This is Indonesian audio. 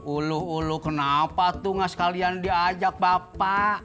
uluh uluh kenapa tuh gak sekalian diajak bapak